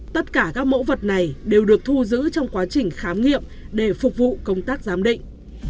tất cả các mẫu vật này đều được thu giữ trong quá trình khám nghiệm để phục vụ công tác giám định